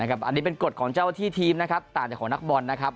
อันนี้เป็นกฎของเจ้าที่ทีมนะครับต่างจากของนักบอลนะครับ